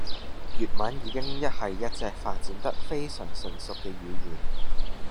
粵文已經係一隻發展得非常成熟嘅語言